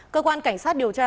cơ quan cảnh sát điều tra